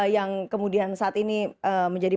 yang kemudian saat ini menjadi